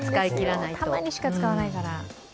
たまにしか使わないから。